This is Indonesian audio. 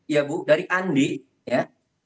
ya bu dari andi ya